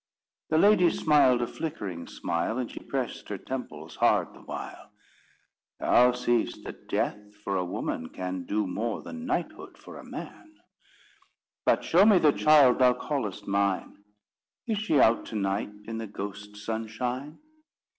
The lady smiled a flickering smile, And she pressed her temples hard the while. "Thou seest that Death for a woman can Do more than knighthood for a man." "But show me the child thou callest mine, Is she out to night in the ghost's sunshine?"